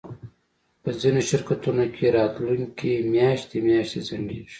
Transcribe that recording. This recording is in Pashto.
په ځینو شرکتونو کې راتلونکی میاشتې میاشتې ځنډیږي